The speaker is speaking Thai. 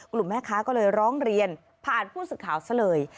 กลุ่มแม่ค้าก็เลยร้องเรียนผ่านผู้สื่อข่าวซะเลย